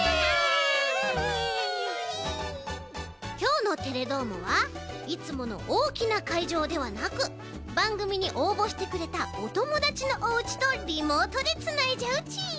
きょうの「テレどーも！」はいつものおおきなかいじょうではなくばんぐみにおうぼしてくれたおともだちのおうちとリモートでつないじゃうち。